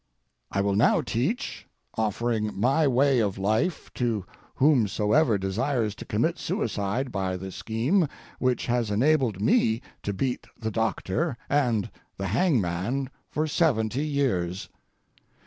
I will now teach, offering my way of life to whomsoever desires to commit suicide by the scheme which has enabled me to beat the doctor and the hangman for seventy years.